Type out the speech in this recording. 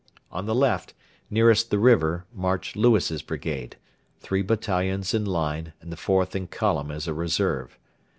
On the left, nearest the river, marched Lewis's brigade three battalions in line and the fourth in column as a reserve.